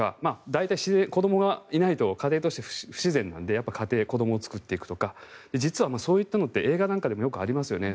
大体、子どもがいないと家庭として不自然なので家庭、子どもを作っていくとか実はそういったのって映画とかでもよくありますよね。